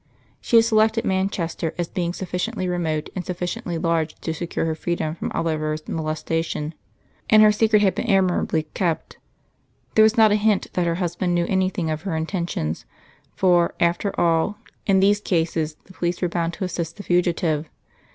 She had selected Manchester as being sufficiently remote and sufficiently large to secure her freedom from Oliver's molestation; and her secret had been admirably kept. There was not a hint that her husband knew anything of her intentions; for, after all, in these cases the police were bound to assist the fugitive.